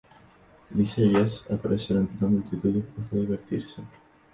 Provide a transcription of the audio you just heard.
Lisa y Jess aparecen entre una multitud dispuesta a divertirse.